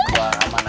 bunga apaan ya